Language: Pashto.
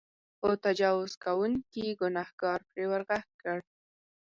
خو تجاوز کوونکي ګنهکار پرې ورغږ کړ.